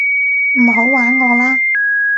唔好玩我啦